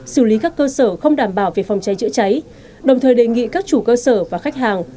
xử lý các cơ sở không đảm bảo về phòng cháy chữa cháy đồng thời đề nghị các chủ cơ sở và khách hàng